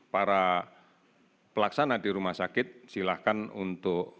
para pelaksana di rumah sakit silahkan untuk